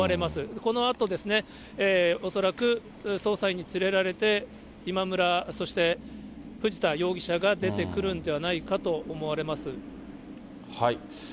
このあと、恐らく捜査員に連れられて、今村、そして藤田容疑者が出てくるんじゃないかと思われます。